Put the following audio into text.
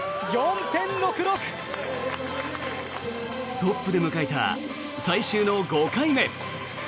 トップで迎えた最終の５回目。